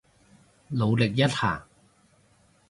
努力一下